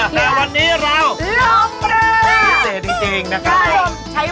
แต่วันนี้เรา